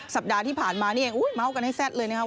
สัปดาห์ที่ผ่านมานี่เองเมาส์กันให้แซ่ดเลยนะครับ